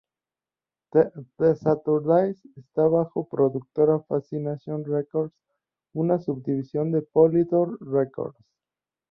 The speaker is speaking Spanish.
The Saturdays está bajo la productora Fascination Records, una subdivisión de Polydor Records.